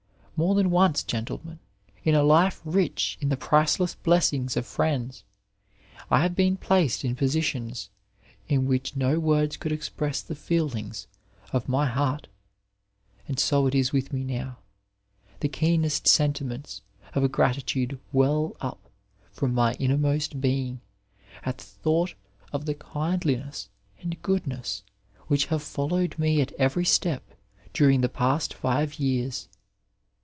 More than once, gentlemen, in a life rich in the priceless blessings of friends, I have been placed in positions in which no words could express the feelings of my heart, and so it is with me now. The keenest sentiments of gratitude well up from my innermost being at the thought of the kind liness and goodness which have followed me at every step during the past five years.